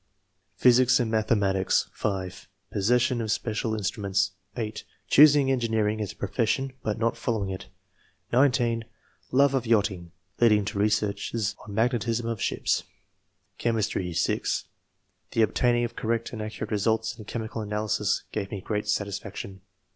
Physics and McUhematics. — (5) Possession of special instruments. (8) Choosing engineering as a profession, but not following it. (19) Love of yachting (leading to researches on magnetism of ships). Chemistry. — (6) The obtaining of correct and accurate results in chemical analysis gave me great satisfaction.